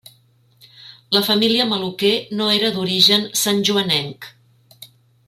La família Maluquer no era d'origen santjoanenc.